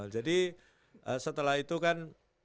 jadi setelah itu kan